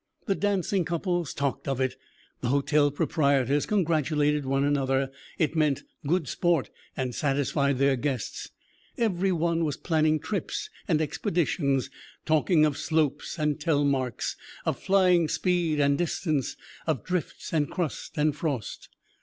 The dancing couples talked of it; the hotel proprietors congratulated one another; it meant good sport and satisfied their guests; every one was planning trips and expeditions, talking of slopes and telemarks, of flying speed and distance, of drifts and crust and frost.